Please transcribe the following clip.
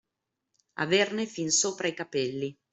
Averne fin sopra i capelli.